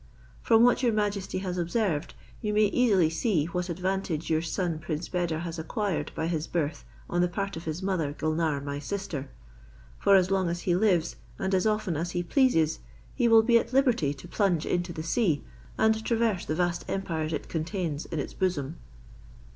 From what your majesty has observed, you may easily see what advantage your son Prince Beder has acquired by his birth on the part of his mother Gulnare my sister: for as long as he lives, and as often as he pleases, he will be at liberty to plunge into the sea, and traverse the vast empires it contains in its bosom."